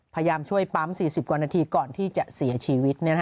พยายามช่วยปั๊ม๔๐กว่านาทีก่อนที่จะเสียชีวิต